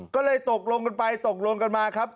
ก็เลยตกลงกันไปตกลงกันมาครับ